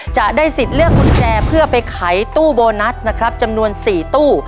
จะได้สิทธิ์เลือกกุญแจเพื่อไปขายตู้โบนัสนะครับจำนวน๔ตู้